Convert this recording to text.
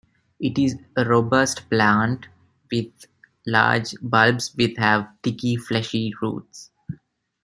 It is a robust plant, with large bulbs which have thick fleshy roots.